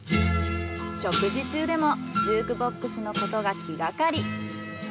食事中でもジュークボックスのことが気がかり。